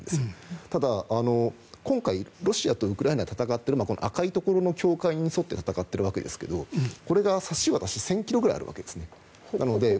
ただ今回、ロシアとウクライナが戦っているのは赤いところの境界に沿って戦っているわけですがこれが差し渡し１０００ｋｍくらいあるわけですね。